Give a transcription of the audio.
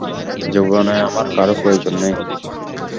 জীবনে আমার কারো প্রয়োজন নেই।